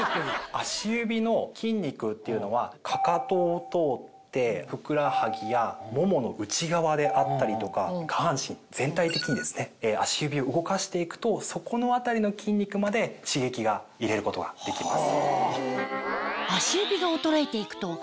足指の筋肉っていうのはかかとを通ってふくらはぎやももの内側であったりとか下半身全体的に足指を動かして行くとそこの辺りの筋肉まで刺激が入れることができます。